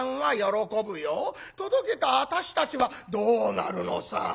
届けた私たちはどうなるのさ。